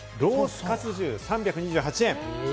ロースかつ重、３２８円。